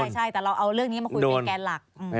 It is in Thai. ใช่แต่เราเอาเรื่องนี้มาคุยเป็นแกนหลัก